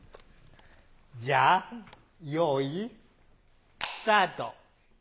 じゃよいスタート！